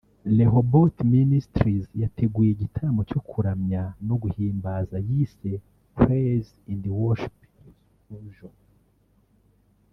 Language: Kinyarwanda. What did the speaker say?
Rehoboth Ministries yateguye igitaramo cyo kuramya no guhimbaza yise “Praise and worship Explosion